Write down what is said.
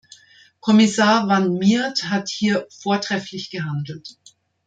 Kommissar Van Miert hat hier vortrefflich gehandelt.